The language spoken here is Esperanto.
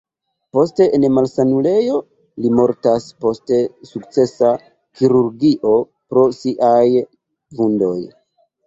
Post en malsanulejo li mortas post sukcesa kirurgio pro siaj vundoj.